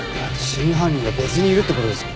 真犯人が別にいるって事ですか？